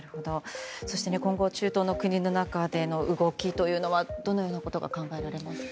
そして、今後中東の国の中での動きというのはどのようなことが考えられますか？